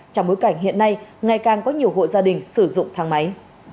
trong bối cảnh hiện nay ngày càng có nhiều hộ gia đình sử dụng thang máy